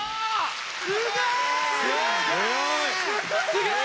すげえ！